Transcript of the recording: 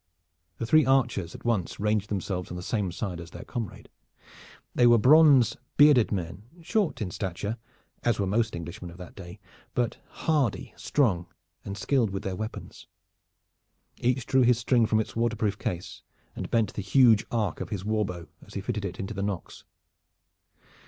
The three archers at once ranged themselves on the same side as their comrade. They were bronzed, bearded men, short in stature, as were most Englishmen of that day, but hardy, strong and skilled with their weapons. Each drew his string from its waterproof case and bent the huge arc of his war bow as he fitted it into the nocks.